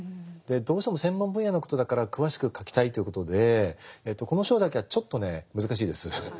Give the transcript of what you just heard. どうしても専門分野のことだから詳しく書きたいということでこの章だけはちょっとね難しいです。